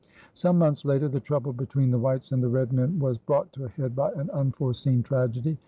Some months later the trouble between the whites and the red men was brought to a head by an unforeseen tragedy.